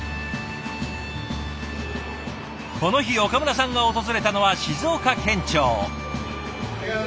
この日岡村さんが訪れたのは静岡県庁。